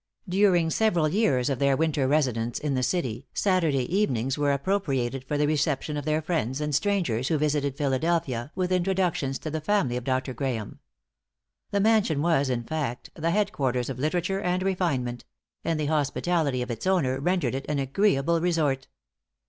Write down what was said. During several years of their winter residence in the city, Saturday evenings were appropriated for the reception of their friends, and strangers who visited Philadelphia with introductions to the family of Dr. Graeme. The mansion was, in fact, the head quarters of literature and refinement; and the hospitality of its owner rendered it an agreeable resort.